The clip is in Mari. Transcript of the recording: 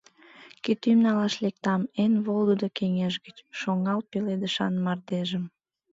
Кӱтӱм налаш лектам Эн волгыдо кеҥеж гыч, Шоҥал пеледышан мардежым.